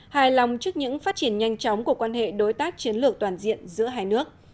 hài lòng trước những phát triển nhanh chóng của quan hệ đối tác chiến lược toàn diện giữa hai nước